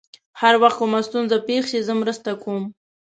هر وخت کومه ستونزه پېښ شي، زه مرسته کوم.